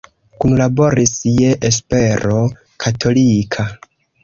Kunlaboris je Espero Katolika.